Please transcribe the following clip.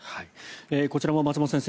こちらも松本先生